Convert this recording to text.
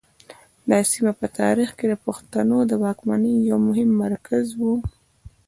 دا سیمه په تاریخ کې د پښتنو د واکمنۍ یو مهم مرکز و